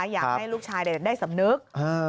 อยากให้ลูกชายได้สำนึก